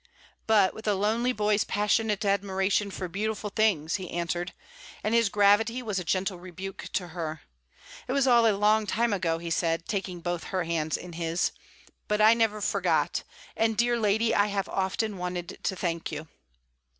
"But with a lonely boy's passionate admiration for beautiful things," he answered; and his gravity was a gentle rebuke to her. "It was all a long time ago," he said, taking both her hands in his, "but I never forget, and, dear lady, I have often wanted to thank you."